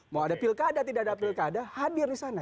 mau ada pilkada tidak ada pilkada hadir di sana